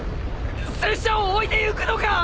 拙者を置いていくのか！？